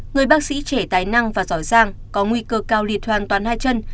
người bác sĩ trẻ tài năng và giỏi giang có nguy cơ cao liệt hoàn toàn hai chân